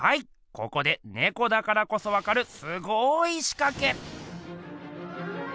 ここでねこだからこそわかるすごいしかけ！